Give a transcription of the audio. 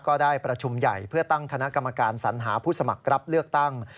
ก็ได้ประชุมใหญ่เพื่อตั้งคณะกรรมการสัญหาผู้สมัครรับเลือกตั้ง